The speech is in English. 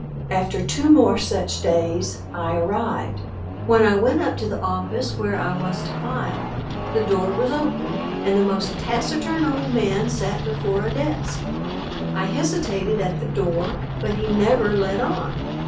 After two more such days I "arrived." When I went up to the office where I was to file, the door was open and the most taciturn old man sat before a desk. I hesitated at the door, but he never let on.